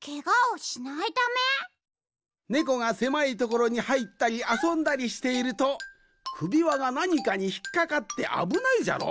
ネコがせまいところにはいったりあそんだりしているとくびわがなにかにひっかかってあぶないじゃろ？